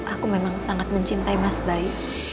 aku memang sangat mencintai mas bai